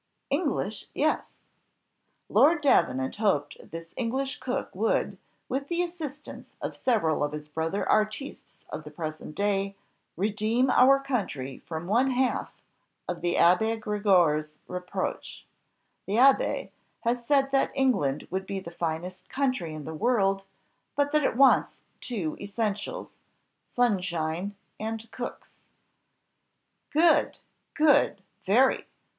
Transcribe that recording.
"English yes." Lord Davenant hoped this English cook would, with the assistance of several of his brother artistes of the present day, redeem our country from one half of the Abbé Gregoire's reproach. The abbé has said that England would be the finest country in the world, but that it wants two essentials, sunshine and cooks. "Good! Good! Very!"